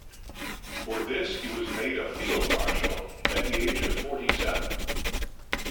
For this he was made a Field Marshal at the age of forty-seven.